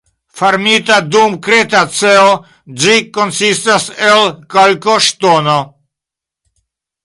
Formita dum Kretaceo, ĝi konsistas el kalkoŝtono.